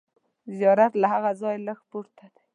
زیارت له هغه ځایه لږ پورته دی.